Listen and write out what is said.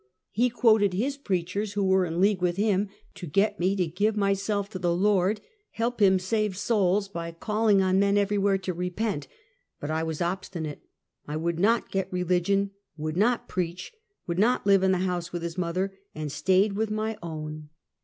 He cj^uoted his preachers, who were in league with him, to get me to give my self to the Lord, help them save souls, by calling on men everywhere to repent; but I was obstinate. I would not get religion, would not preach, would not live in the house with his mother, and stayed with my own.